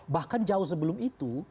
bahkan jauh sebelum itu